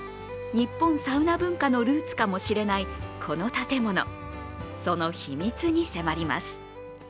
日本サウナ文化のルーツかもしれないこの建物その秘密に迫ります。